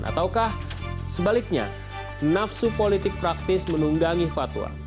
ataukah sebaliknya nafsu politik praktis menunggangi fatwa